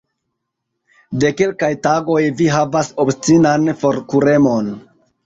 De kelkaj tagoj, vi havas obstinan forkuremon.